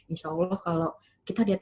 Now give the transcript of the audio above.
insya allah kalau kita lihat